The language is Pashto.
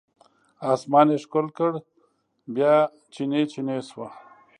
اسمان یې ښکل کړ بیا چینې، چینې شوه